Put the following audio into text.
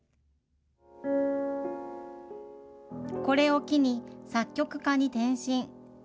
これを機に、作曲家に転身。